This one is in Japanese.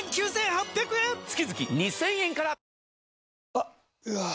あっ、うわー。